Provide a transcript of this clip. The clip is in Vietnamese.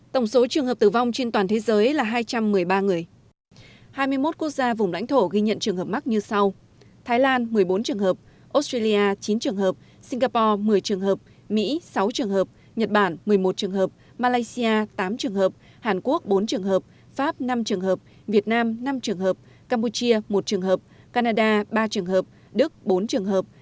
tổng số trường hợp mắc trên toàn thế giới là chín bốn trăm tám mươi ca nhiễm tổng số trường hợp tử vong trên toàn thế giới là hai trăm một mươi ba người